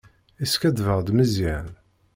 Yeskaddeb-aɣ-d Meẓyan.